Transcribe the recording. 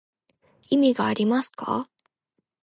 意味がありますか